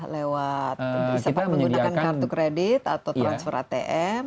lewat menggunakan kartu kredit atau transfer atm